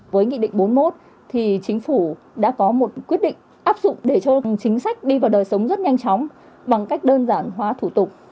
với nghị định bốn mươi một thì chính phủ đã có một quyết định áp dụng để cho chính sách đi vào đời sống rất nhanh chóng bằng cách đơn giản hóa thủ tục